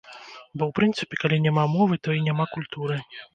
Бо ў прынцыпе калі няма мовы, то і няма культуры.